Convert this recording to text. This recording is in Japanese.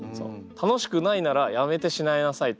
楽しくないならやめてしまいなさいと。